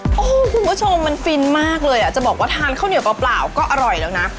โอ้โหคุณผู้ชมมันฟินมากเลยอ่ะจะบอกว่าทานข้าวเหนียวเปล่าก็อร่อยแล้วนะ